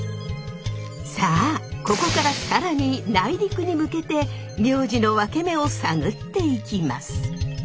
さあここから更に内陸に向けて名字のワケメを探っていきます。